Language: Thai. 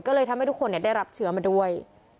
ก็เลยทำให้ทุกคนได้รับเชื้อมาด้วย